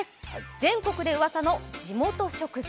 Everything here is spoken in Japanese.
全国でウワサの地元食材。